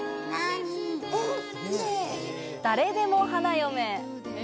誰でも花嫁。